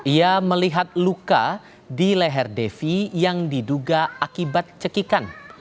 ia melihat luka di leher devi yang diduga akibat cekikan